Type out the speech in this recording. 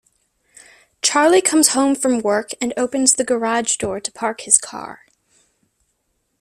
Charlie comes home from work and opens the garage door to park his car.